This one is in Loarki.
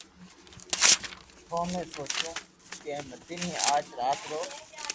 تو ۾ سوچيو ڪي مني آج رات رو ھي